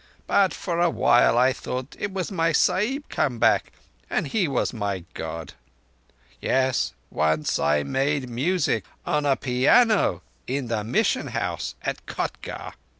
But for awhile I thought it was my Sahib come back, and he was my God. Yes, once I made music on a pianno in the Mission house at Kotgarh.